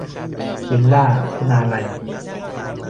วิลล่า คุณาลัย